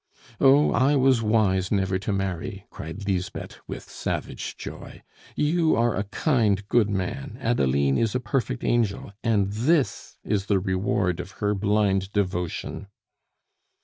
"Oh! I was wise never to marry!" cried Lisbeth, with savage joy. "You are a kind, good man; Adeline is a perfect angel; and this is the reward of her blind devotion."